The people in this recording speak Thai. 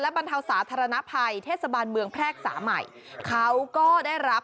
ฟังข่าวกันก็บ่อยเนาะ